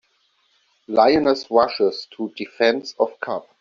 Lioness Rushes to Defense of Cub.